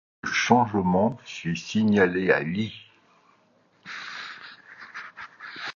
Ce changement fut signalé à Lee.